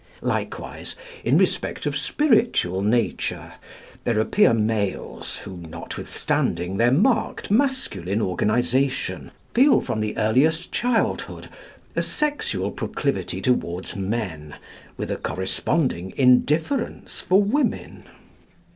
Likewise, in respect of spiritual nature, there appear males who, notwithstanding their marked masculine organisation, feel from the earliest childhood a sexual proclivity toward men, with a corresponding indifference for women.